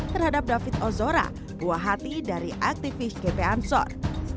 terhadap david ozora buah hati dari aktivis gp ansor